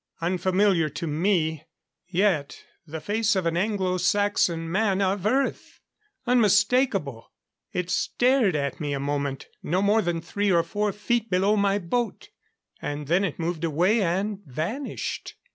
Unfamiliar to me yet the face of an Anglo Saxon man of Earth! Unmistakable! It stared at me a moment no more than three or four feet below my boat. And then it moved away and vanished.